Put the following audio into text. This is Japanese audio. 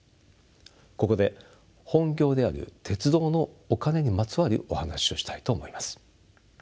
ここで本業である鉄道のお金にまつわるお話をしたいと思います。